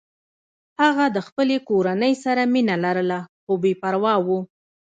هغه د خپلې کورنۍ سره مینه لرله خو بې پروا و